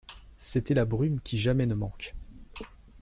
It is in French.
C'était la brume qui jamais ne manque.